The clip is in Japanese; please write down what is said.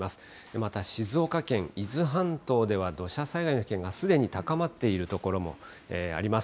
また静岡県伊豆半島では、土砂災害の危険がすでに高まっている所もあります。